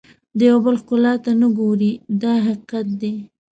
د یو بل ښکلا ته نه ګوري دا حقیقت دی.